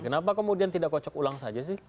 kenapa kemudian tidak kocok ulang saja sih